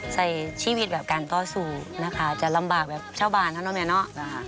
ใส่ชีวิตการต่อสู่จะลำบากแบบเช่าบ้านเนอะแม่เนอะ